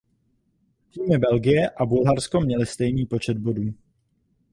Týmy Belgie a Bulharsko měly stejný počet bodů.